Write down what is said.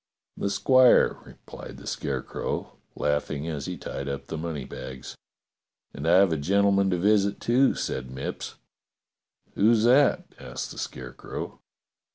"The squire," replied the Scarecrow, laughing as he tied up the money bags. "And I have a gentleman to visit, too," said Mipps. "Who's that.f^" asked the Scarecrow.